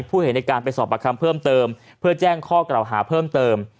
ผู้เห็นในการไปสอบประคำเพิ่มเติมเพื่อแจ้งข้อกล่าวหาเพิ่มเติม